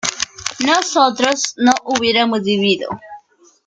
nosotras no hubiésemos vivido